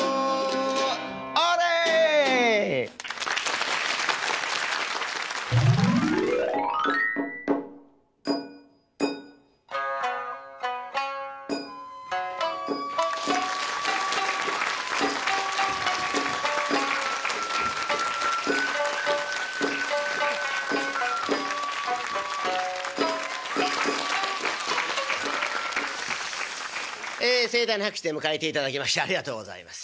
オーレ！え盛大な拍手で迎えていただきましてありがとうございます。